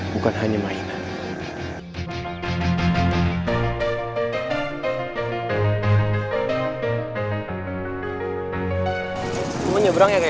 bukan hanya mainan